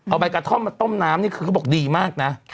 เอาใบกระท่อมมาต้มน้ำนี่คือเขาบอกดีมากนะ